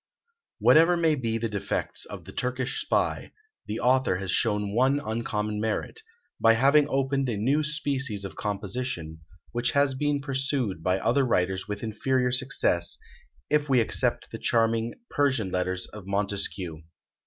Whatever may be the defects of the "Turkish Spy," the author has shown one uncommon merit, by having opened a new species of composition, which has been pursued by other writers with inferior success, if we except the charming "Persian Letters" of Montesquieu.